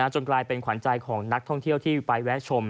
จนกลายเป็นขวัญใจของนักท่องเที่ยวที่ไปแวะชม